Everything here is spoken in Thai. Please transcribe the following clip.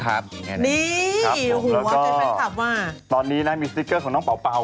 แล้วก็ตอนนี้มีสติกเกอร์กับน้องเป่า